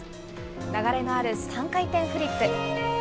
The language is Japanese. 流れのある３回転フリップ。